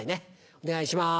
お願いします。